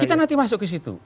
kita nanti masuk ke situ